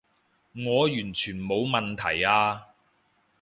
我完全冇問題啊